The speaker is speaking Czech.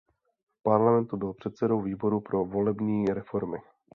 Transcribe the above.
V parlamentu byl předsedou výboru pro volební reformy.